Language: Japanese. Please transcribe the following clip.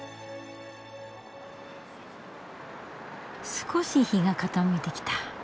少し日が傾いてきた。